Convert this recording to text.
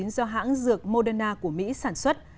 do hãng dược moderna của mỹ sản xuất